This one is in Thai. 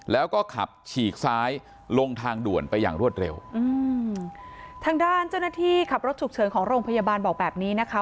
แล้วก็ขับฉีกซ้ายลงทางด่วนไปอย่างรวดเร็วอืมทางด้านเจ้าหน้าที่ขับรถฉุกเฉินของโรงพยาบาลบอกแบบนี้นะคะ